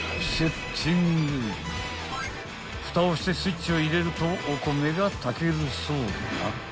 ［ふたをしてスイッチを入れるとお米が炊けるそうな］